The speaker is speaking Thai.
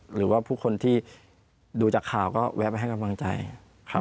หรือว่าผู้คนที่ดูจากข่าวก็แวะไปให้กำลังใจครับ